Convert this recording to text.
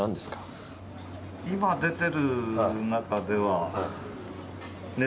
今出てる中では。